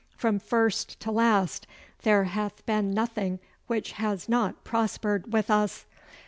From first to last there hath been nothing which has not prospered with us.